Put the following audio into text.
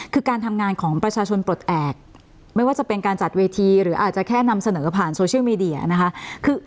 คือการทำงานของประชาชนปลดแอบไม่ว่าจะเป็นการจัดเวทีหรืออาจจะแค่นำเสนอผ่านโซเชียลมีเดียนะคะ